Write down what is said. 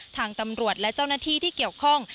ทางตำรวจและเจ้าหน้าที่ที่เกี่ยวข้อง